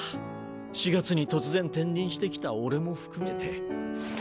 ４月に突然転任してきた俺も含めて。